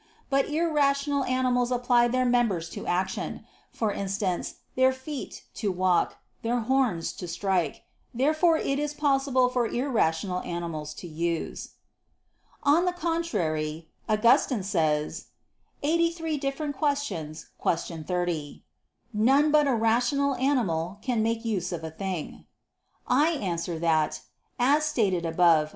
But irrational animals apply their members to action; for instance, their feet, to walk; their horns, to strike. Therefore it is possible for irrational animals to use. On the contrary, Augustine says (QQ. 83, qu. 30): "None but a rational animal can make use of a thing." I answer that, as stated above (A.